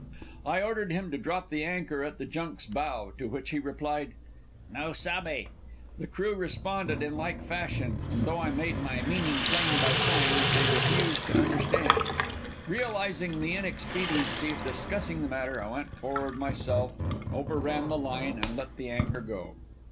I ordered him to drop the anchor at the junk's bow, to which he replied, "No sabbe." The crew responded in like fashion, and though I made my meaning plain by signs, they refused to understand. Realizing the inexpediency of discussing the matter, I went forward myself, overran the line, and let the anchor go.